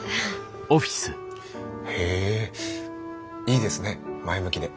へえいいですね前向きで。